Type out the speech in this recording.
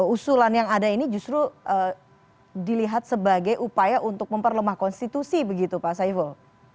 usulan yang ada ini justru dilihat sebagai upaya untuk memperlemah konstitusi begitu pak saiful